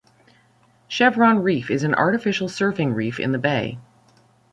Chevron Reef is an artificial surfing reef in the bay.